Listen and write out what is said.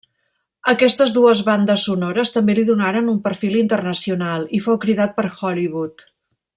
Aquestes dues bandes sonores també li donaren un perfil internacional, i fou cridat per Hollywood.